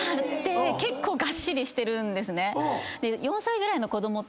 結構がっしりしてるんですね。